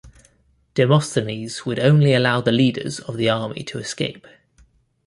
Demosthenes would only allow the leaders of the army to escape.